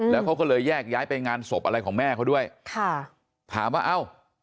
แล้วเขาก็เลยแยกย้ายไปงานศพอะไรของแม่เขาด้วยค่ะถามว่าเอ้า